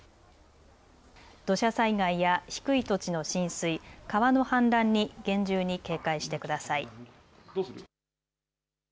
土砂災害や低い土地の浸水、川の氾濫に厳重に警戒してください。